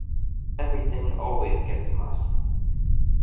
Everything always gets mussed.